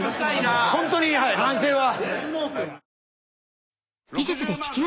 ホントに反省は。